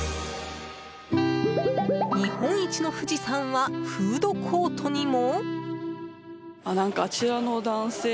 日本一の富士山はフードコートにも？